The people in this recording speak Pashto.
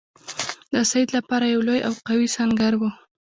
د سید لپاره یو لوی او قوي سنګر وو.